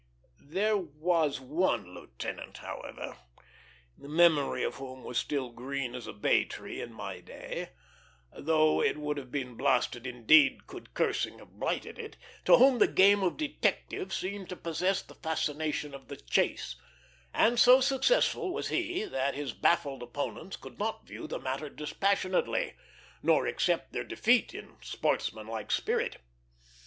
There was one lieutenant, however, the memory of whom was still green as a bay tree in my day, though it would have been blasted indeed could cursing have blighted it, to whom the game of detective seemed to possess the fascination of the chase; and so successful was he that his baffled opponents could not view the matter dispassionately, nor accept their defeat in sportsman like spirit.